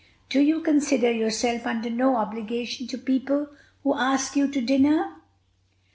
"Do you consider yourself under no obligation to people who ask you to dinner?"